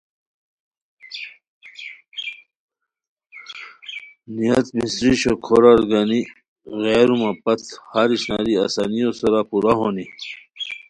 نبت مصری شوکھورار گانی غیارومہ پت ہر اشناری آسانیو سورا پورہ ہونی